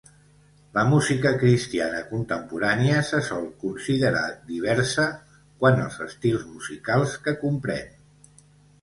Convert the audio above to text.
La música cristiana contemporània se sol considerar diversa quant als estils musicals que comprèn.